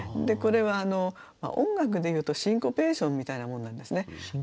これは音楽で言うとシンコペーションみたいなものなんですね。